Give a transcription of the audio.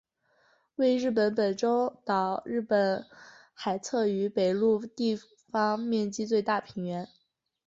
为日本本州岛日本海侧与北陆地方面积最大的平原。